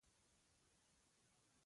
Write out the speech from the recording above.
ورزش کول د بدن د داخلي قوت لپاره مهم دي.